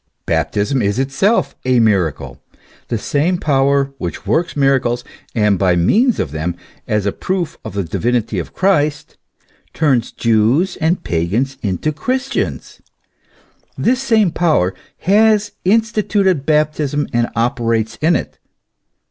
Baptism is itself a miracle. The same power which works miracles, and by means of them, as a proof of the divinity of Christ, turns Jews and Pagans into Christians, this same power has instituted baptism and operates in it.